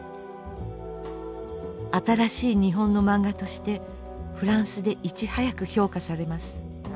「新しい日本の漫画」としてフランスでいち早く評価されます。